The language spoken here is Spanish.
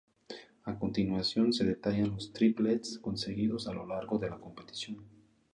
A continuación se detallan los tripletes conseguidos a lo largo de la competición.